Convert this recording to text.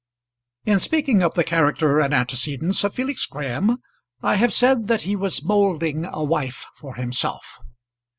In speaking of the character and antecedents of Felix Graham I have said that he was moulding a wife for himself.